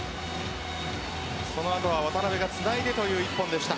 その後は渡邊がつないでという１本でした。